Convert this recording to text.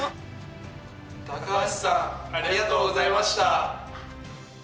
高橋さんありがとうございました！